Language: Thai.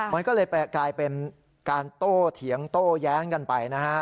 มันก็เลยกลายเป็นการโต้เถียงโต้แย้งกันไปนะฮะ